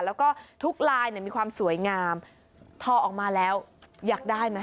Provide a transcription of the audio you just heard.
แล้วก็ทุกลายเนี่ยมีความสวยงามทอออกมาแล้วอยากได้ไหม